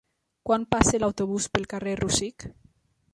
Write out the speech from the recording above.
Quan passa l'autobús pel carrer Rosic?